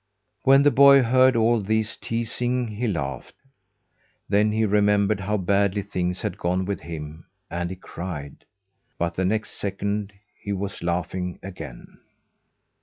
When the boy heard all this teasing he laughed. Then he remembered how badly things had gone with him, and he cried. But the next second, he was laughing again.